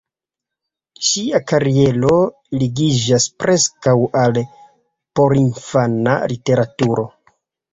Ŝia kariero ligiĝas preskaŭ al porinfana literaturo.